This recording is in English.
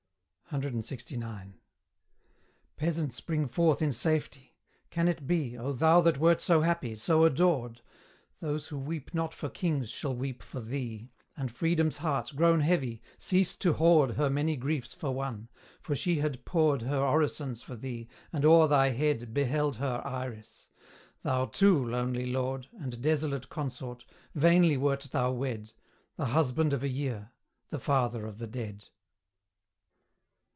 CLXIX. Peasants bring forth in safety. Can it be, O thou that wert so happy, so adored! Those who weep not for kings shall weep for thee, And Freedom's heart, grown heavy, cease to hoard Her many griefs for One; for she had poured Her orisons for thee, and o'er thy head Beheld her Iris. Thou, too, lonely lord, And desolate consort vainly wert thou wed! The husband of a year! the father of the dead!